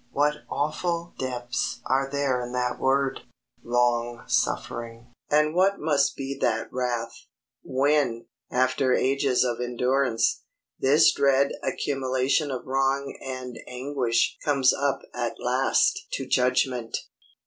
What awful depths are there in that word, LONG SUFFERING! and what must be that wrath, when, after ages of endurance, this dread accumulation of wrong and anguish comes up at last to judgment!